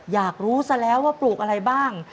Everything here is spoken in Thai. อยากรู้ซะแล้วว่าปลูกอะไรบ้าง